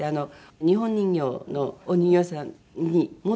日本人形のお人形屋さんに持って行ったんですね。